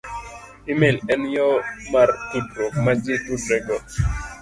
c- E-mail En yo mar tudruok ma ji tudorego